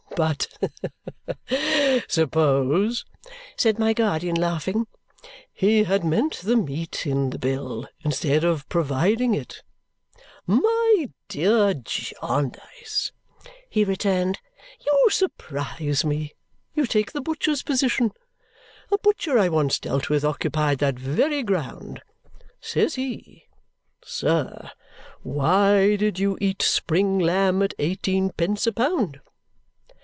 '" "But, suppose," said my guardian, laughing, "he had meant the meat in the bill, instead of providing it?" "My dear Jarndyce," he returned, "you surprise me. You take the butcher's position. A butcher I once dealt with occupied that very ground. Says he, 'Sir, why did you eat spring lamb at eighteen pence a pound?'